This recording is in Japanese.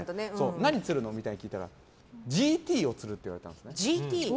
何釣るの？って聞いたらＧＴを釣るって言われたんですね。